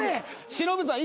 忍さん